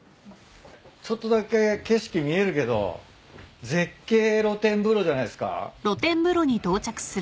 ちょっとだけ景色見えるけど絶景露天風呂じゃないっすか？